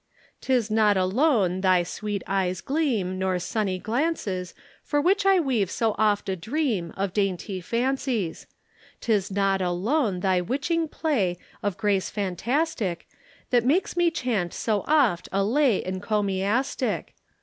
"''Tis not alone thy sweet eyes' gleam Nor sunny glances, For which I weave so oft a dream Of dainty fancies. "''Tis not alone thy witching play Of grace fantastic That makes me chant so oft a lay Encomiastic.